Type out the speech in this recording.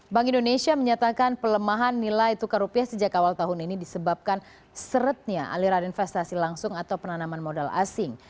bank indonesia menyatakan pelemahan nilai tukar rupiah sejak awal tahun ini disebabkan seretnya aliran investasi langsung atau penanaman modal asing